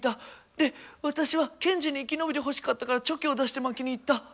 で私はけんじに生き延びてほしかったからチョキを出して負けにいった。